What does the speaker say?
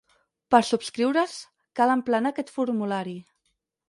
Per subscriure's cal emplenar aquest formulari.